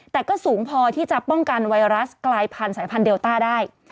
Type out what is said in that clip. แต่ก็สูงพอที่จะป้องกันไวรัสกลายพันธุ์สายพันธุเดลต้าได้